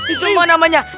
itu mah namanya